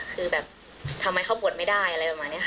คือแบบทำไมเขาบวชไม่ได้อะไรประมาณนี้ค่ะ